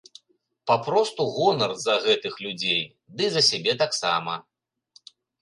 Папросту гонар за гэтых людзей, дый за сябе таксама.